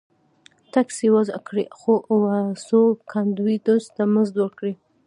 ټکس یې وضعه کړی و څو کاندیدوس ته مزد ورکړي